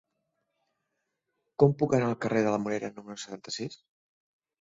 Com puc anar al carrer de la Morera número setanta-sis?